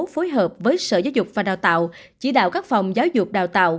phối hợp với sở giáo dục và đào tạo chỉ đạo các phòng giáo dục đào tạo